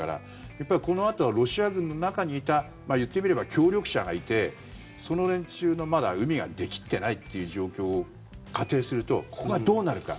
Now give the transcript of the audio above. やっぱりこのあとはロシア軍の中にいた言ってみれば協力者がいてその連中のうみが出切ってないという状況を仮定するとここがどうなるか。